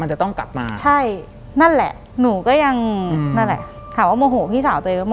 หลังจากนั้นเราไม่ได้คุยกันนะคะเดินเข้าบ้านอืม